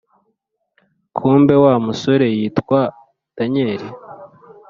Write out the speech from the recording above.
kumbe wa musore yitwa daniel!”.